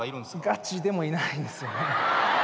ガチでもいないんですよ。